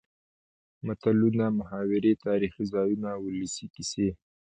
متلونه ،محاورې تاريخي ځايونه ،ولسي کسې.